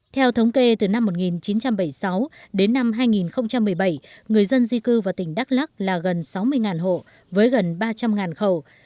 theo thống kê từ năm một nghìn chín trăm bảy mươi sáu đến năm hai nghìn một mươi bảy người dân di cư vào tỉnh đắk lắc là gần sáu mươi hộ với gần ba trăm linh khẩu